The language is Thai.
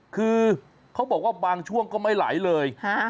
คือเขาบอกว่าบางช่วงก็ไม่ไหลเลย